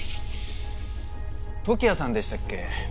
時矢さんでしたっけ。